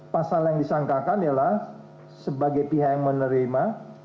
pasal yang disangkakan ialah sebagai pihak yang menerima